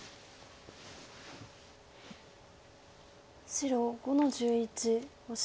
白５の十一オシ。